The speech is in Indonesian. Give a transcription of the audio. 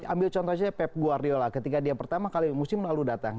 ambil contoh saja pep guardiola ketika dia pertama kali musim lalu datang